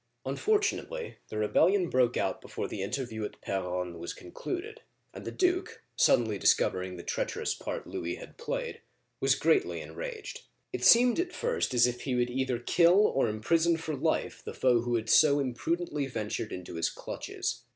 Unfortunately, the rebellion broke out before the inter view at P6ronne was concluded, and the duke, suddenly discovering the treacherous part Louis had played, was greatly enraged. It seemed at first as if he would either kill or imprison for life the foe who had so imprudently ventured into his clutches.